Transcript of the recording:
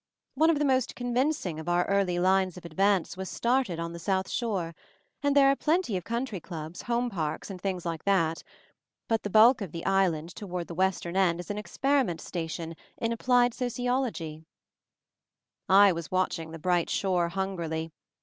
"One of the most convinc ing of our early lines of advance was started on the South shore ; and there are plenty of Country Clubs, Home Parks and things like that; but the bulk of the island toward the western end is an experiment station in ap plied sociology. 50 MOVING THE MOUNTAIN I was watching the bright shore hungrily.